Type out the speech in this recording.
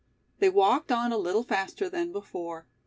They walked on a little faster than before.